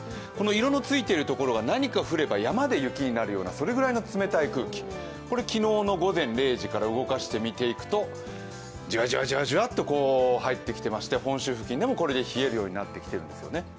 色のついているところが、何か降れば山で雪になるようなそれぐらいの冷たい空気、これは昨日の午前０時から動かしてみていくとじわじわっと入ってきていまして本州付近でもこれで冷えるようになってきているんですね。